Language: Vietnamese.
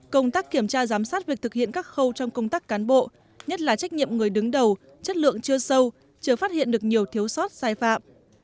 công tác kiểm tra giám sát việc thực hiện các khâu trong công tác cán bộ nhất là trách nhiệm người đứng đầu chất lượng chưa sâu chưa phát hiện được nhiều thiếu sót sai phạm